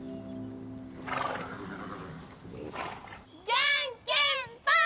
じゃんけんぽん！